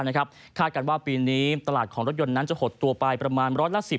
คาดกันว่าปีนี้ตลาดของรถยนต์นั้นจะหดตัวไปประมาณร้อยละ๑๐